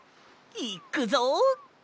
いっくぞ！